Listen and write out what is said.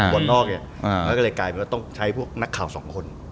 บอลนอกก็ต้องใช้พวกนักข่าว๒คน